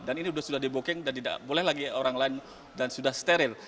dan ini sudah dibuking dan tidak boleh lagi orang lain dan sudah steril